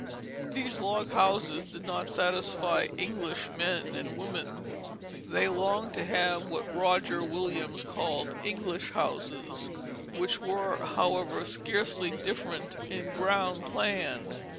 These log houses did not satisfy English men and women. They longed to have what Roger Williams called English houses, which were, however, scarcely different in ground plan.